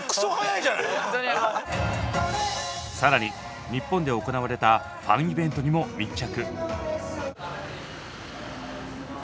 更に日本で行われたファンイベントにも密着。